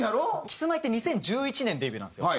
キスマイって２０１１年デビューなんですよ。